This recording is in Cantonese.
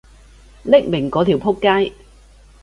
匿名嗰條僕街